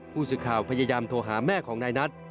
ผู้สื่อข่าวพยายามโทรหาแม่ของนายนัท